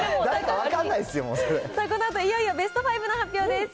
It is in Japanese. このあと、いよいよベスト５の発表です。